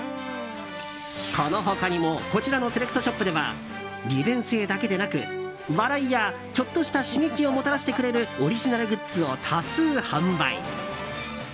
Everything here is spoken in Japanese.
この他にも、こちらのセレクトショップでは利便性だけでなく笑いやちょっとした刺激をもたらしてくれるオリジナルグッズを多数販売。